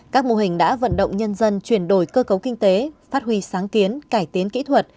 các mô hình đã vận động nhân dân chuyển đổi cơ cấu kinh tế phát huy sáng kiến cải tiến kỹ thuật